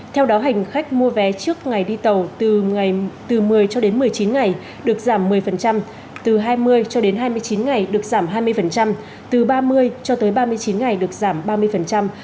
theo đó hành khách mua vé trước ngày đi tàu từ ngày một mươi cho đến một mươi chín ngày được giảm một mươi từ hai mươi cho đến hai mươi chín ngày được giảm hai mươi từ ba mươi cho tới ba mươi chín ngày được giảm ba mươi